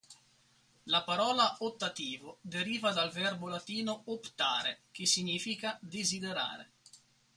La parola "ottativo" deriva dal verbo latino "optare" che significa desiderare.